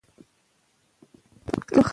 د مېګرین نښې په څو مرحلو کې راځي.